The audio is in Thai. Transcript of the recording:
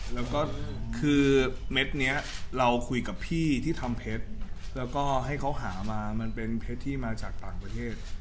แล้วก็คือเม็ดนี้เราคุยกับพี่ที่ทำเพชรแล้วก็ให้เขาหามามันเป็นเพชรที่มาจากต่างประเทศ